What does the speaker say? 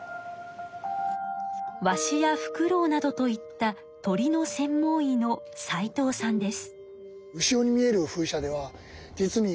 ワシやフクロウなどといった鳥の専門医の齊藤さんです。